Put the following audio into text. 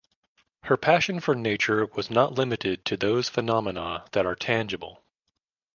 Her passion for nature was not limited to those phenomena that are tangible.